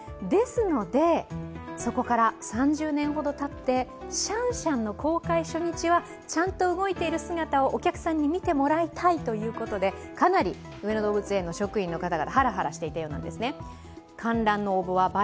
ですので、そこから３０年ほどたってシャンシャンの公開初日はちゃんと動いている姿をお客さんに見てもらいたいということでかなり上野動物園の職員の方々、ハラハラしていたようなんですね。